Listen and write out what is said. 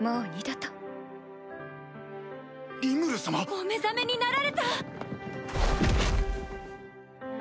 お目覚めになられた！